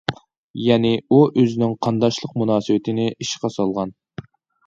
يەنى ئۇ ئۆزىنىڭ قانداشلىق مۇناسىۋىتىنى ئىشقا سالغان.